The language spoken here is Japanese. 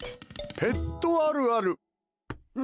ペットあるある。